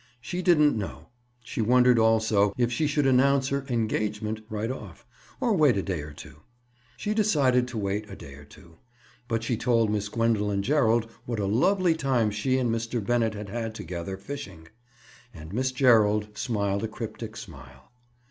She didn't know. She wondered, also, if she should announce her "engagement" right off, or wait a day or two. She decided to wait a day or two. But she told Miss Gwendoline Gerald what a lovely time she and Mr. Bennett had had together, fishing. And Miss Gerald smiled a cryptic smile.